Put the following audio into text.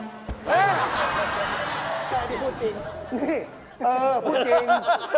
แต่พี่พูดจริงนี่เออพูดจริง